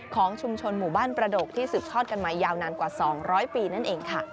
ของชุมชนหมู่บ้านประดกที่สืบทอดกันมายาวนานกว่า๒๐๐ปีนั่นเองค่ะ